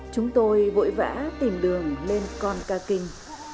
chúng tôi vội vã tìm đường lên con ca kinh